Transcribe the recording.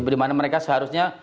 di mana mereka seharusnya